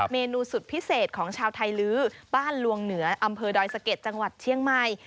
เมนูสุดพิเศษของชาวไทยลื้อบ้านลวงเหนืออำเภอดอยสะเก็ดจังหวัดเชียงใหม่